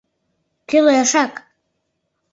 Кӱлешак!